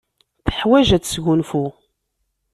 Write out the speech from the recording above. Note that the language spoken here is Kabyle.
Teḥwaj ad tesgunfu.